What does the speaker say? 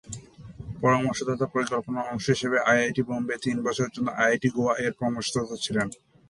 পরামর্শদাতা পরিকল্পনার অংশ হিসেবে, আইআইটি-বোম্বে তিন বছরের জন্য আইআইটি গোয়া-এর পরামর্শদাতা ছিল।